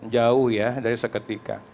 jauh ya dari seketika